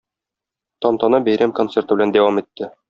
Тантана бәйрәм концерты белән дәвам итте.